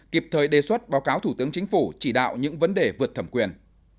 kịp thời đề xuất báo cáo thủ tướng chính phủ chỉ đạo những vấn đề vượt thẩm quyền